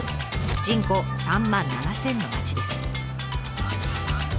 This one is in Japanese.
人口３万７，０００の町です。